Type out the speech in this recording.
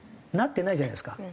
なってないじゃないですか。